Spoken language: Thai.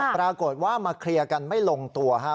ปรากฏว่ามาเคลียร์กันไม่ลงตัวครับ